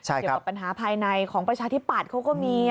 เกี่ยวกับปัญหาภายในของประชาธิปัตย์เขาก็มี